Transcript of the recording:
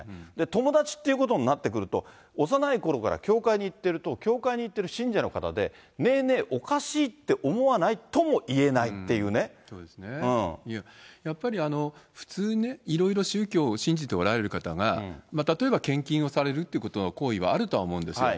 友達っていうことになってくると、幼いころから教会に行っていると、教会に行ってる信者の方で、ねえねえ、おかしいって思わない？とやっぱり普通ね、いろいろ宗教を信じておられる方が、例えば献金をされるっていうことの行為はあるとは思うんですよ。